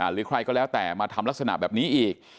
หรือใครก็แล้วแต่มาทำลักษณะแบบนี้อีก